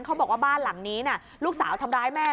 เขาบอกว่าบ้านหลังนี้ลูกสาวทำร้ายแม่